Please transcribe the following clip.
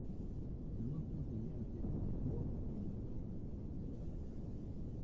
El lustro siguiente el club militó en Primera Nacional.